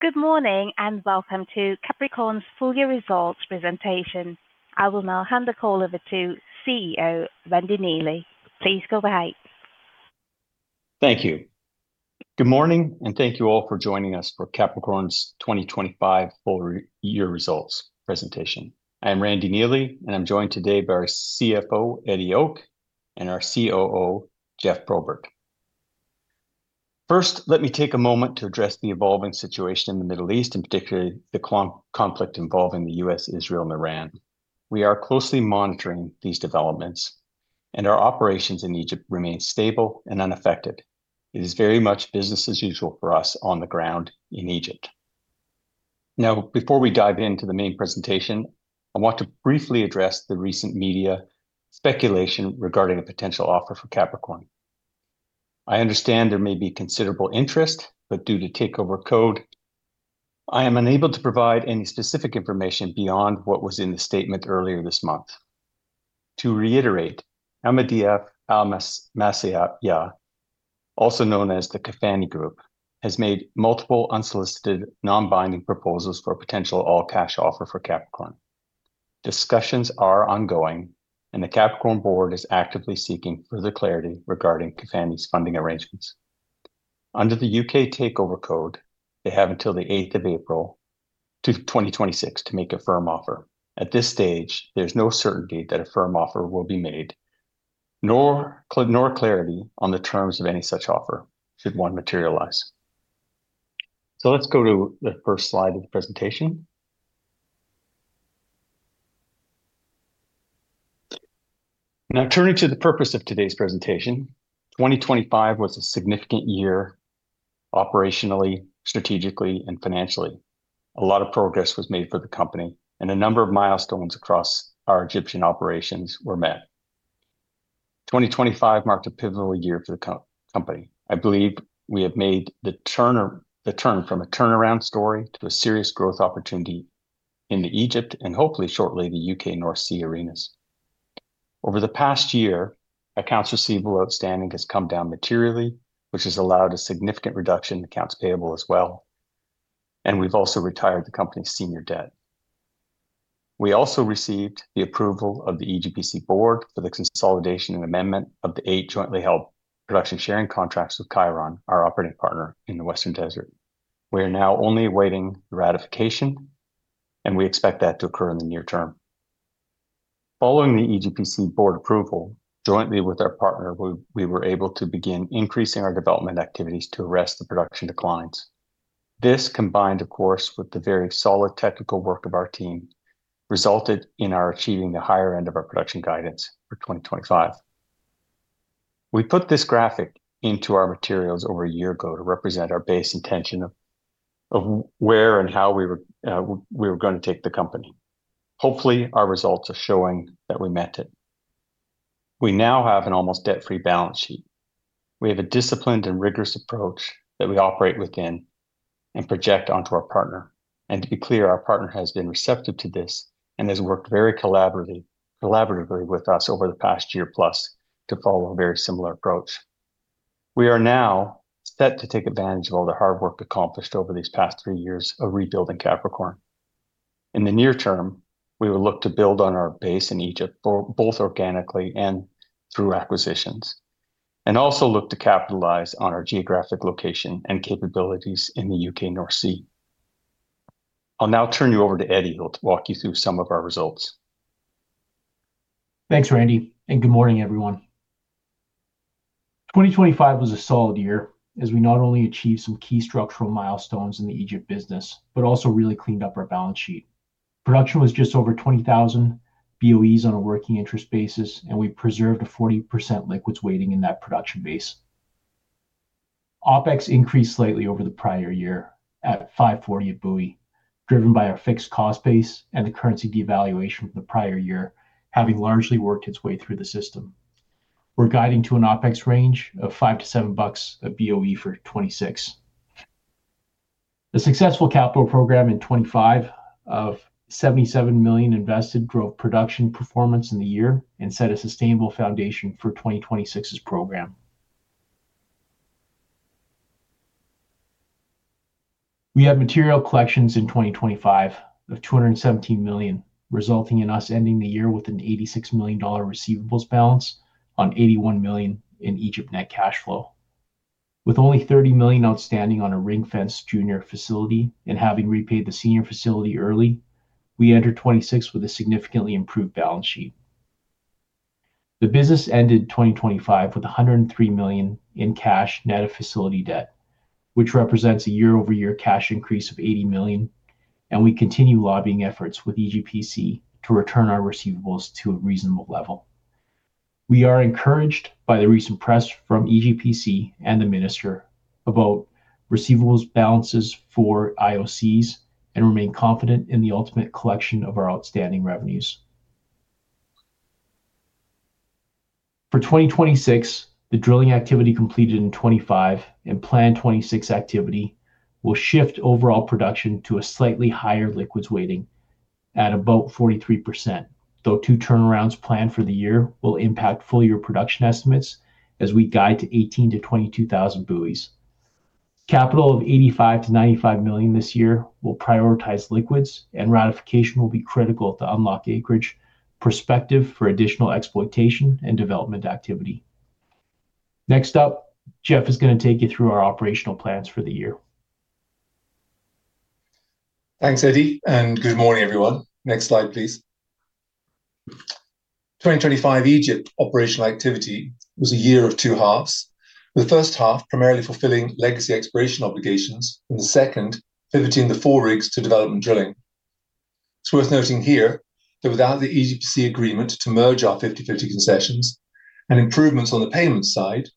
Good morning, and welcome to Capricorn's Full Year Results Presentation. I will now hand the call over to CEO Randy Neely. Please go ahead. Thank you. Good morning, and thank you all for joining us for Capricorn's 2025 Full-Year Results Presentation. I'm Randy Neely, and I'm joined today by our CFO, Eddie Ok, and our COO, Geoff Probert. First, let me take a moment to address the evolving situation in the Middle East, and particularly the conflict involving the U.S., Israel, and Iran. We are closely monitoring these developments, and our operations in Egypt remain stable and unaffected. It is very much business as usual for us on the ground in Egypt. Now, before we dive into the main presentation, I want to briefly address the recent media speculation regarding a potential offer for Capricorn. I understand there may be considerable interest, but due to Takeover Code, I am unable to provide any specific information beyond what was in the statement earlier this month. To reiterate, [Alamadiyaf al-Massiyah], also known as the [Cafani Group], has made multiple unsolicited non-binding proposals for potential all cash offer for Capricorn. Discussions are ongoing and the Capricorn board is actively seeking further clarity regarding [Cafani's] funding arrangements. Under the U.K. Takeover Code, they have until the 8 April 2026 to make a firm offer. At this stage, there's no certainty that a firm offer will be made, nor clarity on the terms of any such offer should one materialize. Let's go to the first slide of the presentation. Now, turning to the purpose of today's presentation. 2025 was a significant year operationally, strategically, and financially. A lot of progress was made for the company and a number of milestones across our Egyptian operations were met. 2025 marked a pivotal year for the company. I believe we have made the turn from a turnaround story to a serious growth opportunity in Egypt, and hopefully shortly, the U.K. North Sea arenas. Over the past year, accounts receivable outstanding has come down materially, which has allowed a significant reduction in accounts payable as well, and we've also retired the company's senior debt. We also received the approval of the EGPC board for the consolidation and amendment of the eight jointly held production sharing contracts with Cheiron, our operating partner in the Western Desert. We are now only awaiting ratification, and we expect that to occur in the near term. Following the EGPC board approval, jointly with our partner, we were able to begin increasing our development activities to arrest the production declines. This combined, of course, with the very solid technical work of our team, resulted in our achieving the higher end of our production guidance for 2025. We put this graphic into our materials over a year ago to represent our base intention of where and how we were gonna take the company. Hopefully, our results are showing that we meant it. We now have an almost debt-free balance sheet. We have a disciplined and rigorous approach that we operate within and project onto our partner. To be clear, our partner has been receptive to this and has worked very collaboratively with us over the past year plus to follow a very similar approach. We are now set to take advantage of all the hard work accomplished over these past three years of rebuilding Capricorn. In the near term, we will look to build on our base in Egypt both organically and through acquisitions, and also look to capitalize on our geographic location and capabilities in the U.K. North Sea. I'll now turn you over to Eddie who'll walk you through some of our results. Thanks, Randy, and good morning, everyone. 2025 was a solid year as we not only achieved some key structural milestones in the Egypt business, but also really cleaned up our balance sheet. Production was just over 20,000 BOEs on a working interest basis, and we preserved a 40% liquids weighting in that production base. OpEx increased slightly over the prior-year at $5.40/BOE, driven by our fixed cost base and the currency devaluation from the prior-year having largely worked its way through the system. We're guiding to an OpEx range of $5-$7/BOE for 2026. The successful capital program in 2025 of $77 million invested drove production performance in the year and set a sustainable foundation for 2026's program. We had material collections in 2025 of $217 million, resulting in us ending the year with an $86 million receivables balance on $81 million in Egypt net cash flow. With only $30 million outstanding on a ring-fence junior facility and having repaid the senior facility early, we enter 2026 with a significantly improved balance sheet. The business ended 2025 with $103 million in cash net of facility debt, which represents a year-over-year cash increase of $80 million, and we continue lobbying efforts with EGPC to return our receivables to a reasonable level. We are encouraged by the recent press from EGPC and the minister about receivables balances for IOCs and remain confident in the ultimate collection of our outstanding revenues. For 2026, the drilling activity completed in 2025 and planned 2026 activity will shift overall production to a slightly higher liquids weighting. At about 43%, though two turnarounds planned for the year will impact full year production estimates as we guide to 18,000-22,000 BOEs. Capital of $85 million-$95 million this year will prioritize liquids, and ratification will be critical to unlock acreage perspective for additional exploitation and development activity. Next up, Geoff is gonna take you through our operational plans for the year. Thanks, Eddie, and good morning, everyone. Next slide, please. 2025 Egypt operational activity was a year of two halves, with the first half primarily fulfilling legacy exploration obligations, and the second pivoting the four rigs to development drilling. It's worth noting here that without the EGPC agreement to merge our 50/50 concessions and improvements on the payment side,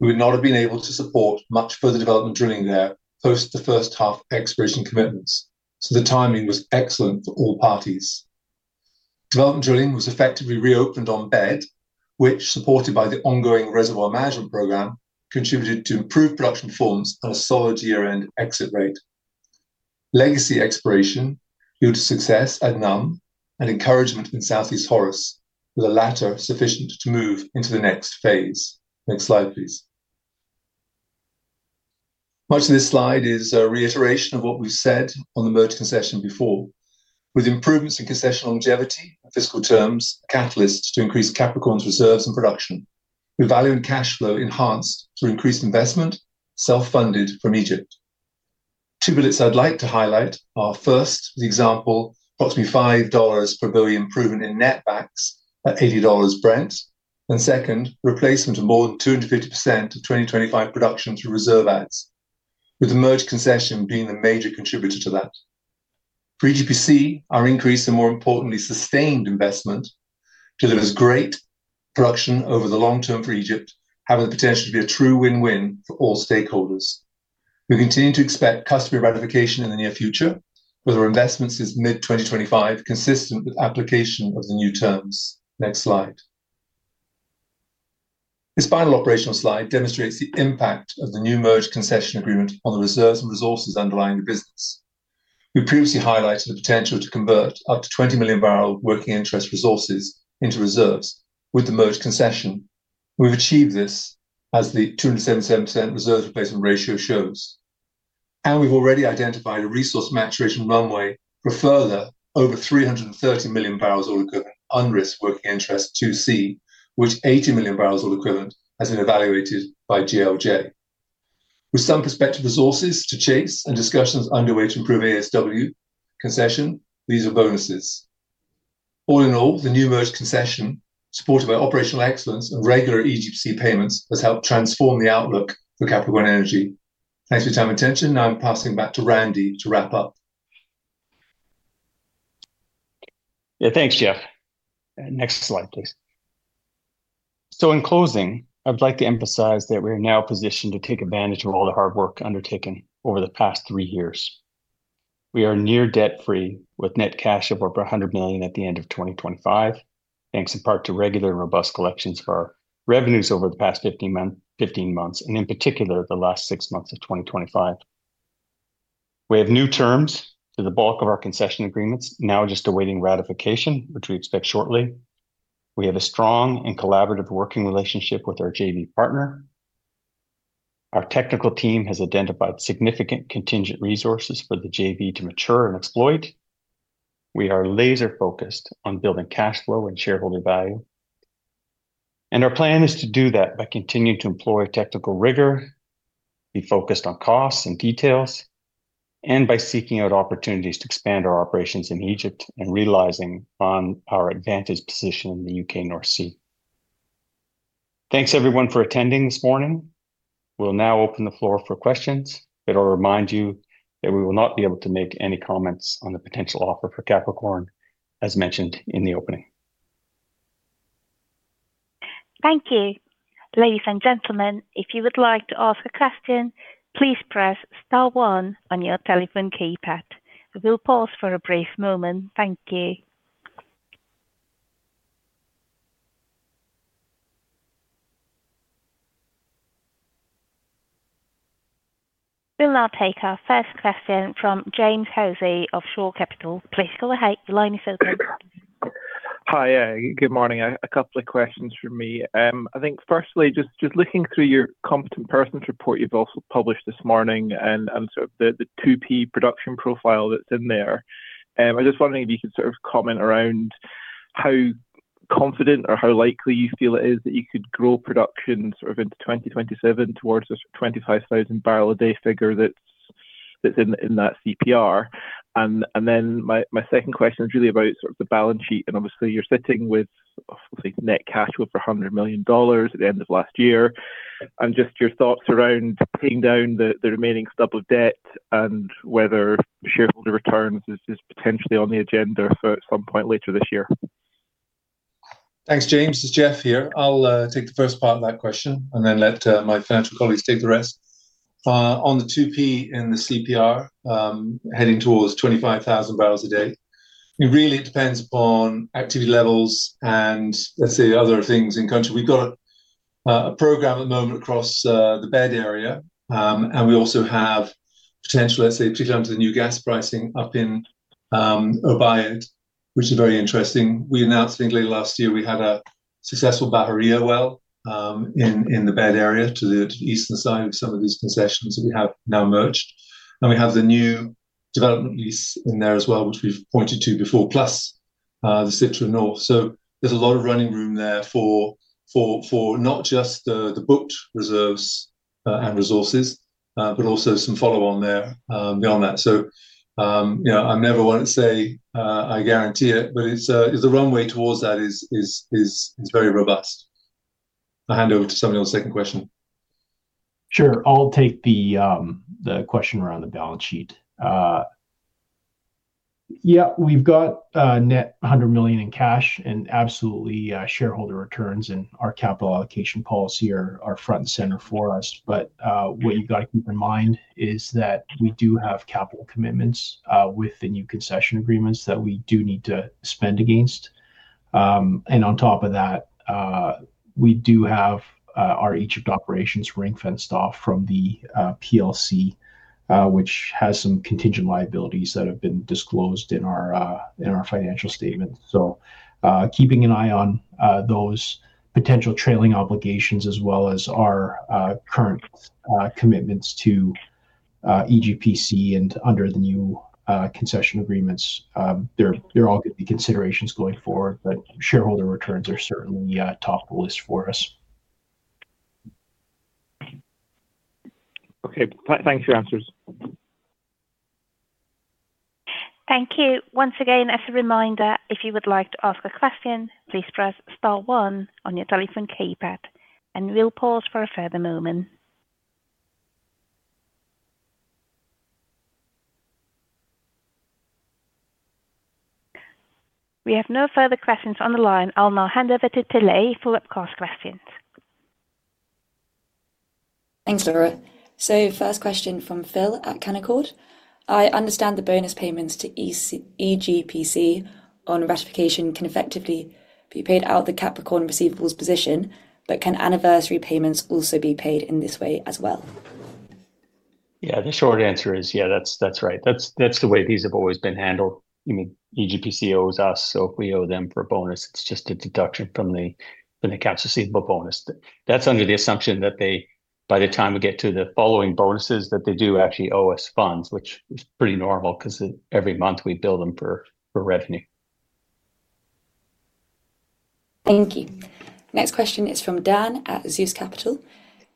we would not have been able to support much further development drilling there post the first half exploration commitments. The timing was excellent for all parties. Development drilling was effectively reopened on BED, which, supported by the ongoing reservoir management program, contributed to improved production performance and a solid year-end exit rate. Legacy exploration led to success at NUMB and encouragement in South East Horus, with the latter sufficient to move into the next phase. Next slide, please. Much of this slide is a reiteration of what we've said on the merged concession before. With improvements in concessional longevity and fiscal terms, catalysts to increase Capricorn's reserves and production, we value in cash flow enhanced through increased investment, self-funded from Egypt. Two bullets I'd like to highlight are, first, the example, approximately $5 per barrel proven in netbacks at $80 Brent. Second, replacement of more than 200% of 2025 production through reserve adds, with the merged concession being a major contributor to that. For EGPC, our increase in, more importantly, sustained investment delivers great production over the long term for Egypt, having the potential to be a true win-win for all stakeholders. We continue to expect contract ratification in the near future, with our investments since mid-2025 consistent with application of the new terms. Next slide. This final operational slide demonstrates the impact of the new merged concession agreement on the reserves and resources underlying the business. We previously highlighted the potential to convert up to 20 million barrels working interest resources into reserves with the merged concession. We've achieved this as the 277% reserve replacement ratio shows. We've already identified a resource maturation runway for further over 330 million barrels of oil equivalent unrisked working interest 2C, which 80 million barrels of oil equivalent has been evaluated by GLJ. With some prospective resources to chase and discussions underway to improve ASW concession, these are bonuses. All in all, the new merged concession, supported by operational excellence and regular EGPC payments, has helped transform the outlook for Capricorn Energy. Thanks for your time and attention. Now I'm passing back to Randy to wrap up. Yeah, thanks, Geoff. Next slide, please. In closing, I would like to emphasize that we are now positioned to take advantage of all the hard work undertaken over the past three years. We are near debt-free with net cash of over $100 million at the end of 2025, thanks in part to regular and robust collections for our revenues over the past 15 months, and in particular, the last six months of 2025. We have new terms to the bulk of our concession agreements now just awaiting ratification, which we expect shortly. We have a strong and collaborative working relationship with our JV partner. Our technical team has identified significant contingent resources for the JV to mature and exploit. We are laser-focused on building cash flow and shareholder value. Our plan is to do that by continuing to employ technical rigor, be focused on costs and details, and by seeking out opportunities to expand our operations in Egypt and realizing on our advantage position in the U.K. North Sea. Thanks everyone for attending this morning. We'll now open the floor for questions, but I'll remind you that we will not be able to make any comments on the potential offer for Capricorn as mentioned in the opening. Thank you. Ladies and gentlemen, if you would like to ask a question, please press star one on your telephone keypad. We will pause for a brief moment. Thank you. We'll now take our first question from James Hosie of Shore Capital. Please go ahead. Your line is open. Hi. Good morning. A couple of questions from me. I think firstly, just looking through your competent person's report you've also published this morning and sort of the 2P production profile that's in there, I was just wondering if you could sort of comment around how confident or how likely you feel it is that you could grow production sort of into 2027 towards the 25,000 barrel a day figure that's in that CPR. Then my second question is really about sort of the balance sheet. Obviously, you're sitting with net cash flow of $100 million at the end of last year. Just your thoughts around paying down the remaining stub of debt and whether shareholder returns is potentially on the agenda for some point later this year. Thanks, James. It's Geoff here. I'll take the first part of that question and then let my financial colleagues take the rest. On the 2P in the CPR, heading towards 25,000 barrels a day, it really depends upon activity levels and let's say other things in country. We've got a program at the moment across the BED area. And we also have potential, let's say, particularly under the new gas pricing up in Obaiyed, which is very interesting. We announced I think late last year we had a successful Bahariya well in the BED area to the eastern side of some of these concessions that we have now merged. We have the new development lease in there as well, which we've pointed to before, plus the Sitra North. There's a lot of running room there for not just the booked reserves and resources, but also some follow on there beyond that. You know, I never wanna say I guarantee it, but it's the runway towards that is very robust. I'll hand over to somebody on the second question. Sure. I'll take the question around the balance sheet. Yeah, we've got a net $100 million in cash, and absolutely, shareholder returns and our capital allocation policy are front and center for us. What you've got to keep in mind is that we do have capital commitments with the new concession agreements that we do need to spend against. And on top of that, we do have our Egypt operations ring-fenced off from the PLC, which has some contingent liabilities that have been disclosed in our financial statement. Keeping an eye on those potential trailing obligations as well as our current commitments to EGPC and under the new concession agreements, they're all gonna be considerations going forward. Shareholder returns are certainly top of the list for us. Okay. Thanks for your answers. Thank you. Once again, as a reminder, if you would like to ask a question, please press star one on your telephone keypad, and we'll pause for a further moment. We have no further questions on the line. I'll now hand over to Pilar for webcast questions. Thanks, Laura. First question from Phil at Canaccord. I understand the bonus payments to EGPC on ratification can effectively be paid out of the Capricorn receivables position, but can anniversary payments also be paid in this way as well? Yeah. The short answer is, yeah, that's right. That's the way these have always been handled. I mean, EGPC owes us, so if we owe them for a bonus, it's just a deduction from the accounts receivable bonus. That's under the assumption that they, by the time we get to the following bonuses, that they do actually owe us funds, which is pretty normal 'cause every month we bill them for revenue. Thank you. Next question is from Dan at Zeus Capital.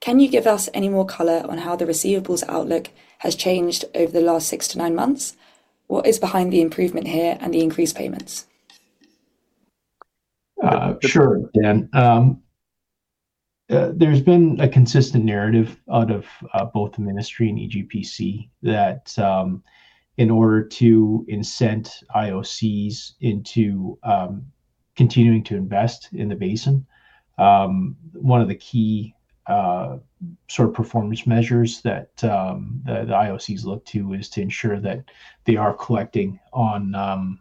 Can you give us any more color on how the receivables outlook has changed over the last six-nine months? What is behind the improvement here and the increased payments? Sure, Dan. There's been a consistent narrative out of both the ministry and EGPC that in order to incent IOCs into continuing to invest in the basin, one of the key sort of performance measures that the IOCs look to is to ensure that they are collecting on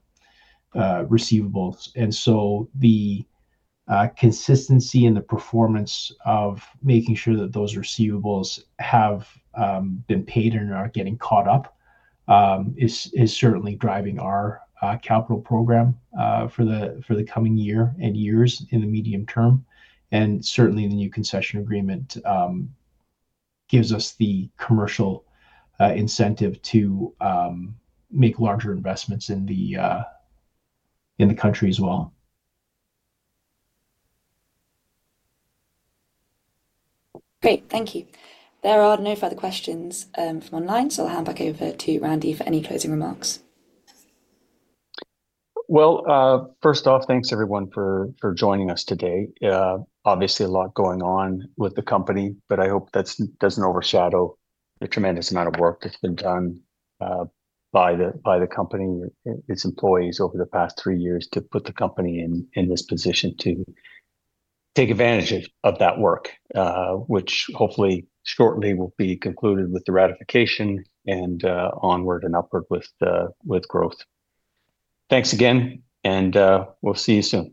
receivables. The consistency in the performance of making sure that those receivables have been paid and are getting caught up is certainly driving our capital program for the coming year and years in the medium-term. Certainly, the new concession agreement gives us the commercial incentive to make larger investments in the country as well. Great. Thank you. There are no further questions, from online, so I'll hand back over to Randy for any closing remarks. Well, first off, thanks everyone for joining us today. Obviously, a lot going on with the company, but I hope that doesn't overshadow the tremendous amount of work that's been done by the company and its employees over the past three years to put the company in this position to take advantage of that work, which hopefully shortly will be concluded with the ratification and onward and upward with growth. Thanks again, and we'll see you soon.